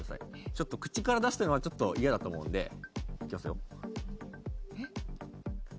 ちょっと口から出したのは嫌だと思うんでいきますよえっ？